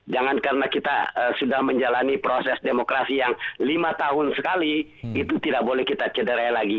jangan karena kita sudah menjalani proses demokrasi yang lima tahun sekali itu tidak boleh kita cederai lagi